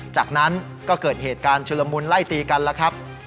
จากนั้นก็เกิดเหตุการณ์ชุลมุนไล่ตีกันแล้วครับ